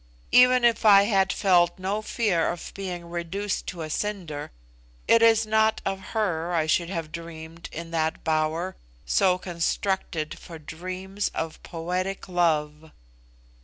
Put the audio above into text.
even if I had felt no fear of being reduced to a cinder, it is not of her I should have dreamed in that bower so constructed for dreams of poetic love.